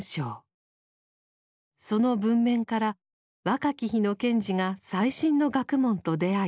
その文面から若き日の賢治が最新の学問と出会い